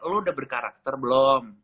lo udah berkarakter belum